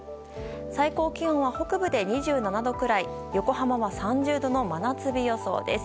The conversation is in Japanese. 最高気温は北部で２７度くらい横浜は３０度の真夏日予想です。